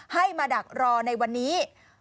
ให้มาดักรอในวันนี้